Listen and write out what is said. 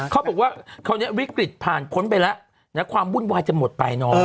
เขาบอกว่าวิกฤตฯผ่านพ้นไปแล้วแล้วความวุ่นวายจะหมดไปน้อย